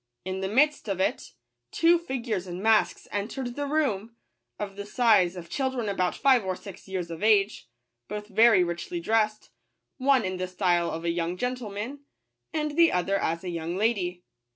In the midst of it, two figures in masks entered the room, of the size of children about five or six years of age, both very richly dressed, one in the style of a young gentleman, and the other as a young lady.